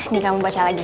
nih kamu baca lagi